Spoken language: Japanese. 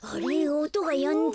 おとがやんだ。